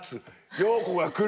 陽子が来る。